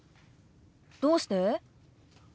どうして？